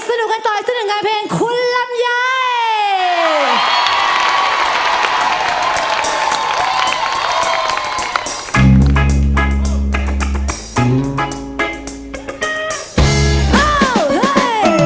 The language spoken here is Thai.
สนุกกันต่อสนุกกันเพลงคุณลำยาย